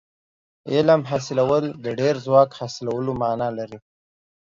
علم حاصلول د ډېر ځواک حاصلولو معنا لري.